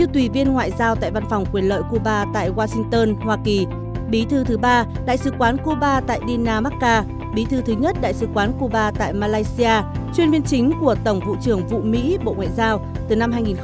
đại sứ thứ nhất đại sứ quán cuba tại malaysia chuyên viên chính của tổng vụ trưởng vụ mỹ bộ ngoại giao